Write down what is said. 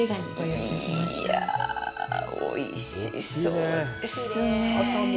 いや、おいしそうですね。